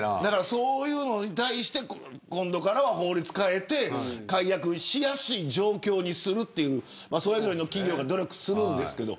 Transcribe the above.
そういうのに対して今度からは法律を変えて解約しやすい状況にするというそれぞれの企業が努力するんですけど。